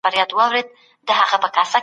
ښه ذهنیت ناامیدي نه راوړي.